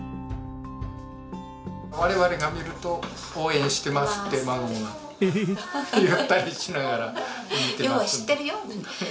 我々が見ると「応援してます！」って孫が言ったりしながら見てます。